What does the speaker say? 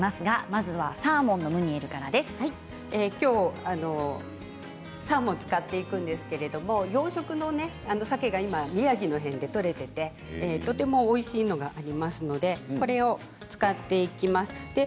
まずはサーモンを使っていくんですが養殖のさけが宮城のほうで取れていてとてもおいしいのがありますのでこれを使っていきます。